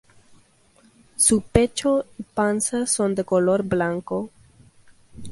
Su pecho y panza son de color blanco.